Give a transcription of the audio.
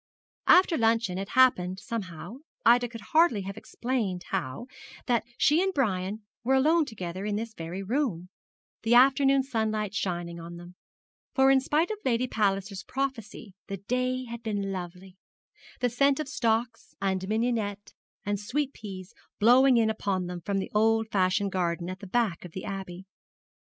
After luncheon it happened somehow Ida could hardly have explained how that she and Brian were alone together in this very room, the afternoon sunlight shining on them for in spite of Lady Palliser's prophecy the day had been lovely the scent of stocks and mignonette and sweet peas blowing in upon them from the old fashioned garden at the back of the Abbey.